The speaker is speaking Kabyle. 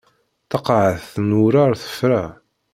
Taqaɛet n wurar tefra.